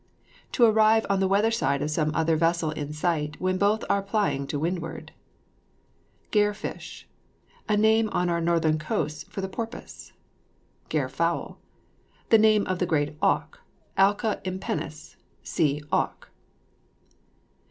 To arrive on the weather side of some other vessel in sight, when both are plying to windward. GAIR FISH. A name on our northern coasts for the porpoise. GAIR FOWL. A name of the great auk, Alca impennis. (See AUK.)